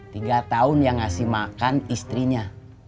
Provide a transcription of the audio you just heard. tiga tahun yang ngasih makan istrinya